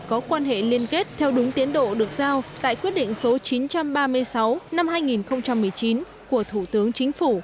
có quan hệ liên kết theo đúng tiến độ được giao tại quyết định số chín trăm ba mươi sáu năm hai nghìn một mươi chín của thủ tướng chính phủ